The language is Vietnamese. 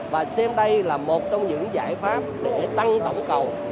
và xem đây là một trong những giải pháp để tăng tổng cầu